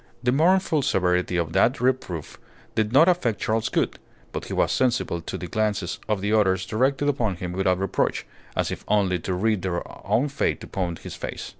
The mournful severity of that reproof did not affect Charles Gould, but he was sensible to the glances of the others directed upon him without reproach, as if only to read their own fate upon his face.